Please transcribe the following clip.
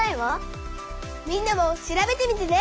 みんなも調べてみてね！